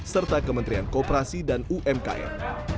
serta kementerian kooperasi dan umkm